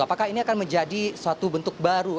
apakah ini akan menjadi suatu bentuk baru